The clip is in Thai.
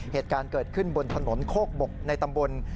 เหตุการณ์เกิดขึ้นบนถนนโคกบกในตำบล